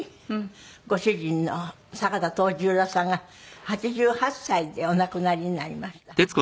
ご主人の坂田藤十郎さんが８８歳でお亡くなりになりました。